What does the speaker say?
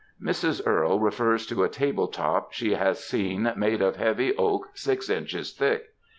Mrs. Elarle refers to a table top she has seen made of heavy oak six inches thick.